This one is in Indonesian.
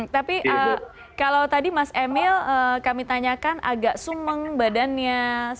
tapi kalau tadi mas emil kami tanyakan agak sumeng badannya